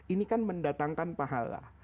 ini kan mendatangkan pahala